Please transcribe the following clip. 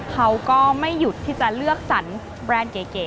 เขาก็ไม่หยุดที่จะเลือกสรรแบรนด์เก๋